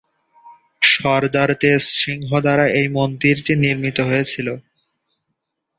সর্দার তেজ সিংহ দ্বারা এই মন্দিরটি নির্মিত হয়েছিল।